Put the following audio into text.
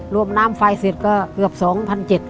รวมน้ำไฟเสร็จก็เกือบ๒๗๐๐บาท